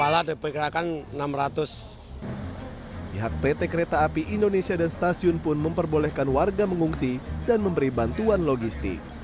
pihak pt kereta api indonesia dan stasiun pun memperbolehkan warga mengungsi dan memberi bantuan logistik